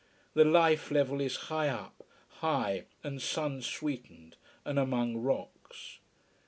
The life level is high up, high and sun sweetened and among rocks.